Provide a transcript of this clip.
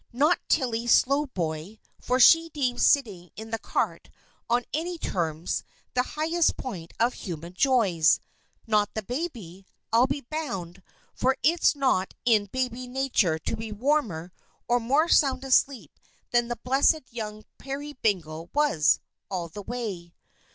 Not Tilly Slowboy, for she deemed sitting in a cart, on any terms, the highest point of human joys. Not the baby, I'll be bound; for it's not in baby nature to be warmer or more sound asleep than the blessed young Peerybingle was, all the way.